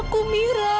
aku mira kak